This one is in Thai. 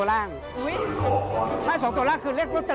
ผมว่ามาให้เลขเป็นแฟนบันทึกไทยรัฐแบบนี้